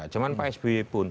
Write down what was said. zaman pak sby pun